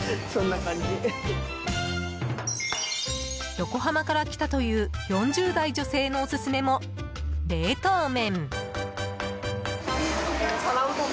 横浜から来たという４０代女性のオススメも冷凍麺。